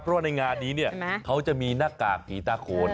เพราะว่าในงานนี้เนี่ยเขาจะมีหน้ากากผีตาโขน